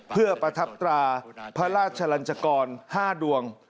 เพื่อประทับตราพระราชลันจกร๕ดวง